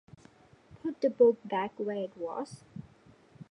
Put the book back where it was.